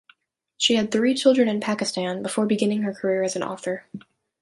She had three children in Pakistan before beginning her career as an author.